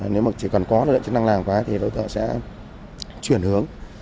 nếu mà chỉ cần có lợi chức năng làng quá thì đối tượng sẽ chuyển hướng